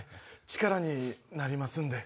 力になりますんで。